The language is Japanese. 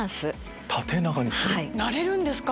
なれるんですか？